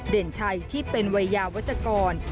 เด่นชัยที่เป็นวัยยาวัชกร